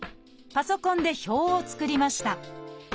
パソコンで表を作りました。